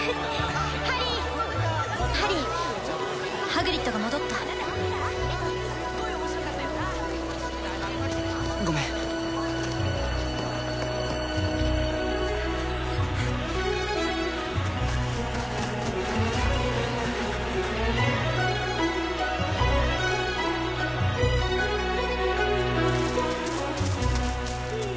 ハリーハリーハグリッドが戻ったごめんいい？